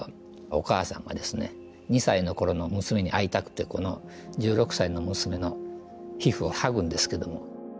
お母さんがですね２歳の頃の娘に会いたくてこの１６歳の娘の皮膚を剥ぐんですけども。